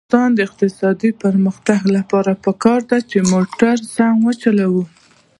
د افغانستان د اقتصادي پرمختګ لپاره پکار ده چې موټر سم وچلوو.